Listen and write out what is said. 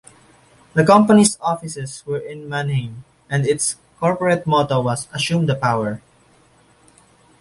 The company's offices were in Mannheim, and its corporate motto was "Assume The Power".